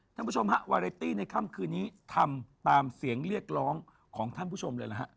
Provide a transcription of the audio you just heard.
ท่านผู้ชมฮะวาเรตี้ในค่ำคืนนี้ทำตามเสียงเรียกร้องของท่านผู้ชมเลยนะฮะ